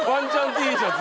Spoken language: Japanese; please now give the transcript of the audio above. Ｔシャツ